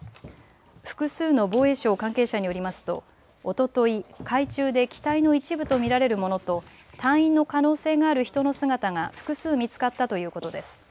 複数の防衛省関係者によりますとおととい海中で機体の一部と見られるものと隊員の可能性がある人の姿が複数見つかったということです。